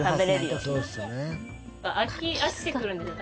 味に飽きてくるんですよ